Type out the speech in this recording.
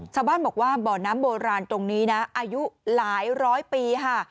ชาวบ้านบอกว่าบ่อน้ำโบราณตรงนี้นะอายุหลายร้อยปีค่ะ